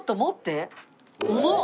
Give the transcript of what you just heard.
重っ！